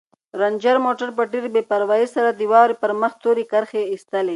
رنجر موټر په ډېرې بې پروايۍ سره د واورې پر مخ تورې کرښې ایستلې.